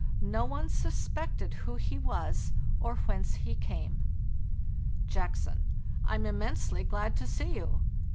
No one suspected who he was or whence he came. " Jackson: 'I'm immensely glad to see you.